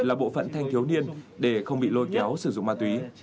là bộ phận thanh thiếu niên để không bị lôi kéo sử dụng ma túy